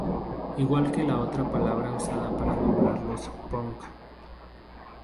Al igual que la otra palabra usada para nombrarlos: "punk".